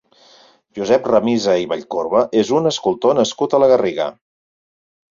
Josep Ramisa i Vallcorba és un escultor nascut a la Garriga.